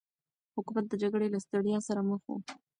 حکومت د جګړې له ستړيا سره مخ و.